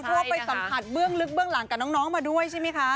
เพราะว่าไปสัมผัสเบื้องลึกเบื้องหลังกับน้องมาด้วยใช่ไหมคะ